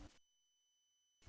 không thể sử dụng